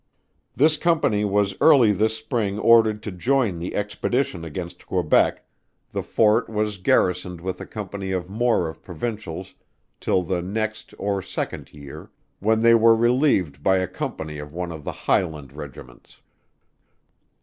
This company was early this spring ordered to join the expedition against Quebeck, the Fort was garrisoned with a company or more of provincials till the next or second year: when they were relieved by a company of one of the highland Regiments.